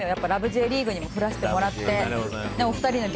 Ｊリーグ』にも降らせてもらって。